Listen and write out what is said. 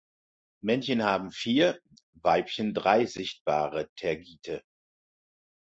Männchen haben vier, Weibchen drei sichtbare Tergite.